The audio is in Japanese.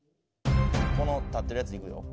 この立ってるやついくよ。